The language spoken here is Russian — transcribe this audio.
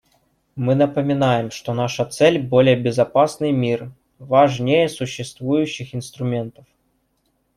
Мы напоминаем, что наша цель − более безопасный мир − важнее существующих инструментов.